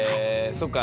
そっか。